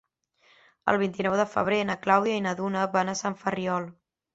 El vint-i-nou de febrer na Clàudia i na Duna van a Sant Ferriol.